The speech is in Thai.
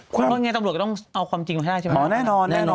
คุณบอกว่าตำรวจจะต้องเอาความจริงมาให้ได้ใช่ไหมครับ